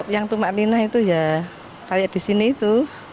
yang tumak lina itu ya kayak di sini itu